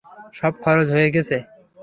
সব খরচ হয়ে গেছে।